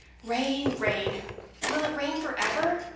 "Rain rain! Will it rain for ever?"